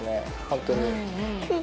本当に。